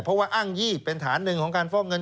เพราะว่าอ้างยี่เป็นฐานหนึ่งของการฟอกเงิน